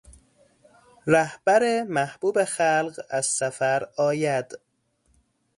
رهبر محبوب خلق از سفر آید